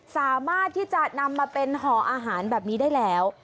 สามารถที่จะนำมาเป็นห่ออาหารแบบนี้ได้แล้ว